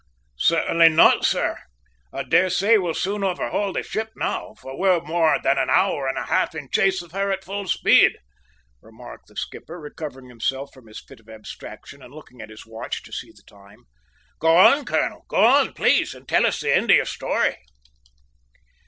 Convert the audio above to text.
"Certainly not, sir; I dare say we'll soon overhaul the ship now, for we're more than an hour and a half in chase of her at full speed," remarked the skipper, recovering himself from his fit of abstraction and looking at his watch to see the time. "Go on, colonel; go on, please, and tell us the end of your story."